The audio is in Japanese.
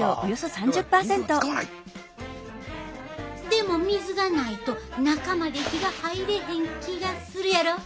でも水がないと中まで火が入れへん気がするやろ？